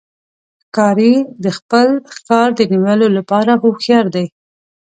ښکاري د خپل ښکار د نیولو لپاره هوښیار دی.